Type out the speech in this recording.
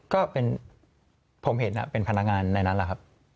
ก็เป็นผมเห็นเป็นพนักงานในนั้นแหละครับ